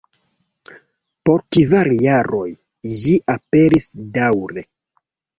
Por kvar jaroj ĝi aperis daŭre.